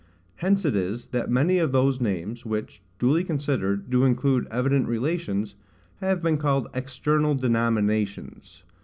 Hence it is, that many of those names, which, duly considered, do include evident relations, have been called EXTERNAL DENOMINATIONS.